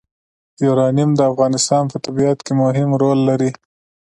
یورانیم د افغانستان په طبیعت کې مهم رول لري.